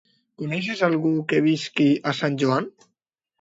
Coneixes algú que visqui a Sant Joan?